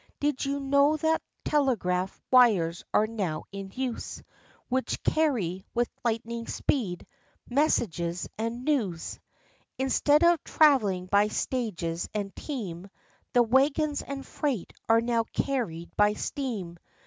Did you know that telegraph wires are now in use. Which carry, with lightning speed, messages and news? OF CHANTICLEER. 55 Instead of travelling by stages and team, The wagons and freight are now carried by steam.